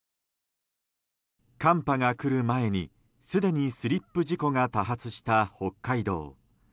寒波が来る前に、すでにスリップ事故が多発した北海道。